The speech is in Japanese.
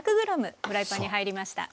フライパンに入りました。